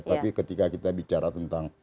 tapi ketika kita bicara tentang